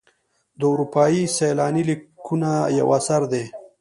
د اروپایي سیلاني لیکونه یو اثر دی.